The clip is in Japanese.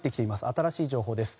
新しい情報です。